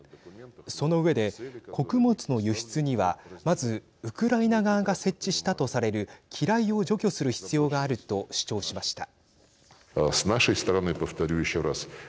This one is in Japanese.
その上で穀物の輸出にはまず、ウクライナ側が設置したとされる機雷を除去する必要があると主張しました。